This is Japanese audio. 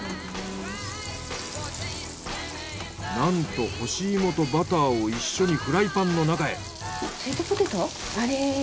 なんと干し芋とバターを一緒にフライパンの中へ。